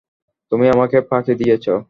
তুমি আমাকে ফাঁকি দিয়েছ।